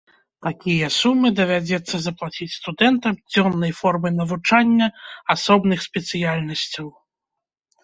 Такія сумы давядзецца заплаціць студэнтам дзённай формы навучання асобных спецыяльнасцяў.